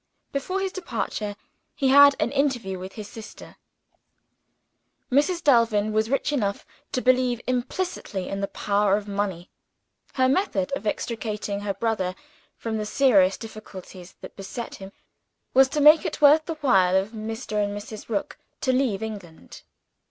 Before his departure, he had an interview with his sister. Mrs. Delvin was rich enough to believe implicitly in the power of money. Her method of extricating her brother from the serious difficulties that beset him, was to make it worth the while of Mr. and Mrs. Rook to leave England.